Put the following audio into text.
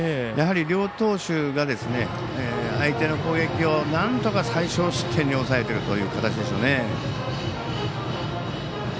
やはり、両投手が相手の攻撃をなんとか最少失点に抑えているという形でしょうね。